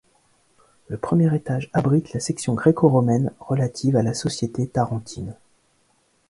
Le premier étage abrite la section gréco-romaine relative à la société tarentine.